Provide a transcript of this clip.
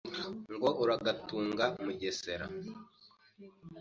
Ngo uragatunga Mugesera